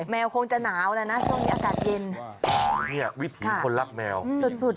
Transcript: แมวคงจะหนาวแล้วช่วงนี้อากาศเย็น